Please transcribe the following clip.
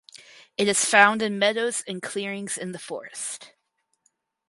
It is found in meadows and clearings in the forest.